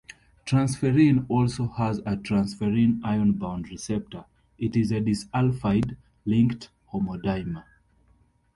Transferrin also has a transferrin iron-bound receptor; it is a disulfide-linked homodimer.